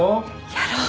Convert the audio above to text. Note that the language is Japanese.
やろう。